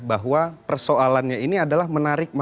bahwa persoalannya ini adalah menarik makin banyak